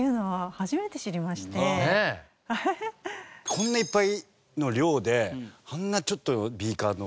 こんないっぱいの量であんなちょっとビーカーの。